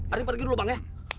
ari pergi dulu bang ya